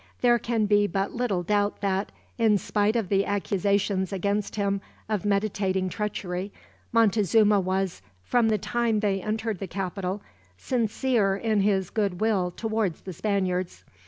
There can be but little doubt that, in spite of the accusations against him of meditating treachery, Montezuma was, from the time they entered the capital, sincere in his goodwill towards the Spaniards.